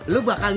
lu bakal menangis